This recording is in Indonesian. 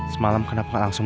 semalam kenapa gak langsung